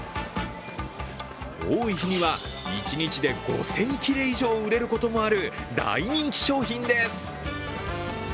多い日には一日で５０００切れ以上売れることもある大人気商品です。